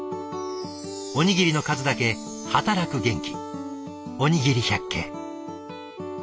おにぎりの数だけ働く元気。